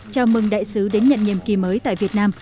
chào mừng đại sứ đến nhận nhiệm kỳ mới tại việt nam